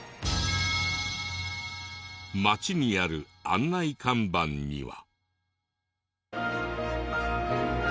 町にある案内看板には。